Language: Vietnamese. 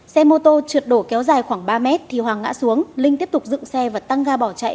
xe mô tô trượt đổ kéo dài khoảng ba mét thì hoàng ngã xuống linh tiếp tục dựng xe và tăng ga bỏ chạy